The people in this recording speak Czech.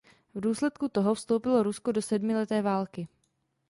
V důsledku toho vstoupilo Rusko do sedmileté války.